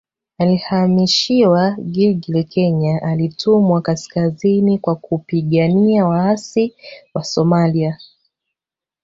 Alihamishiwa Gilgil Kenya alitumwa kaskazini kwa kupigania waasi Wasomalia